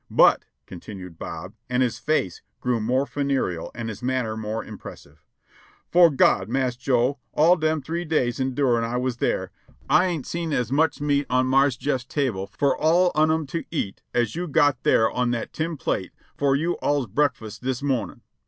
"But," continued Bob, and his face grew more funereal and his manner more impressive, "fore God, Marse Joe, all them three days endurin' I was thar, I ain't see as much meat on Marse Jeff.'s table for all un 'em to eat as you got thar in that tin plate for you all's breakfus' this mornin'."